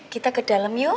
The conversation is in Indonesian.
kita ke dalam yuk